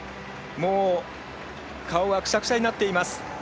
もう顔はくしゃくしゃになっています。